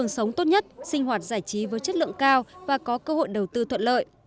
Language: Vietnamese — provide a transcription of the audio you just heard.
sinh hoạt giải trí với chất lượng cao và có cơ hội đầu tư thuận lợi